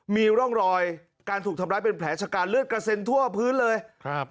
มีร่องรอยการถูกทำร้ายเป็นแผลชะการเลือดกระเซ็นทั่วพื้นเลยครับ